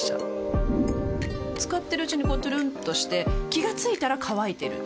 使ってるうちにこうトゥルンとして気が付いたら乾いてる